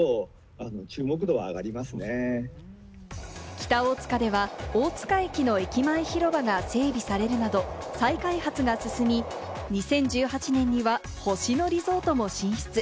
北大塚では、大塚駅の駅前広場が整備されるなど、再開発が進み、２０１８年には星野リゾートも進出。